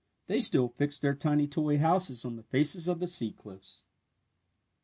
They still fix their tiny toy houses on the faces of the sea cliffs.